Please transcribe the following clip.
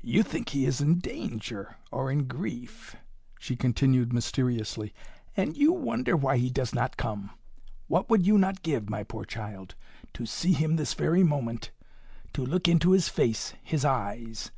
"You think he is in danger, or in grief," she continued mysteriously, "and you wonder why he does not come. What would you not give, my poor child, to see him this very moment to look into his face his eyes.